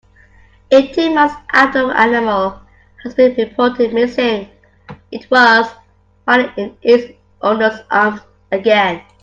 Eighteen months after the animal has been reported missing it was finally in its owner's arms again.